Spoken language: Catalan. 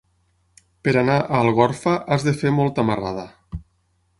Per anar a Algorfa has de fer molta marrada.